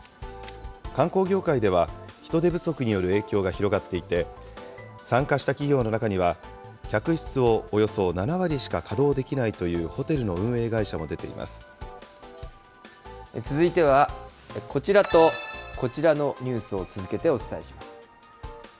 観光業界では、人手不足による影響が広がっていて、参加した企業の中には、客室をおよそ７割しか稼働できないというホテルの運営会社も出て続いては、こちらとこちらのニュースを続けてお伝えします。